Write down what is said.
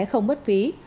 không mất phí